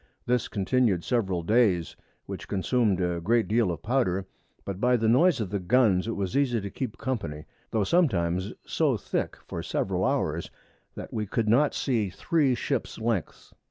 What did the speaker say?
This continu'd several Days, which consumed a great deal of Powder, but by the Noise of the Guns it was easy to keep Company, tho' sometimes so thick for several Hours, that we could not see three Ships Lengths.